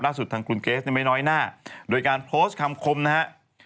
ล่าสุดทางคุณเกฟในแม่น้อยหน้าโดยการพอสต์คำคมนะฮะ